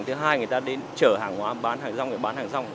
thứ hai người ta đến chở hàng hóa bán hàng rong bán hàng rong